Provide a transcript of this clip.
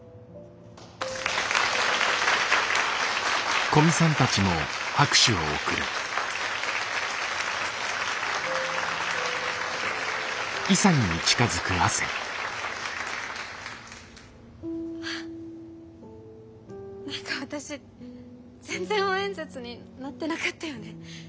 何か私全然応援演説になってなかったよね。